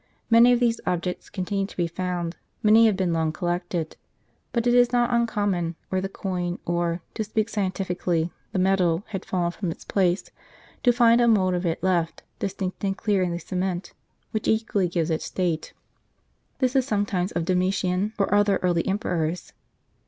Many of these objects continue to be found, many have A loculus^ open. been long collected. But it is not uncommon, where the coin, or, to speak scientifically, the medal, has fallen from its place, to find a mould of it left, distinct and clear in the cement, which equally gives its date. This is sometimes of Domitian, or other early emperors.